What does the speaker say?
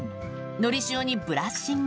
のりしおにブラッシング。